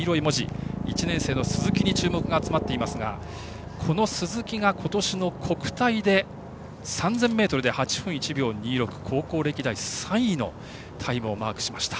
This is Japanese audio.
１年生の鈴木に注目が集まっていますが鈴木が今年の国体で３０００ｍで８分１秒２６という高校歴代３位のタイムをマークしました。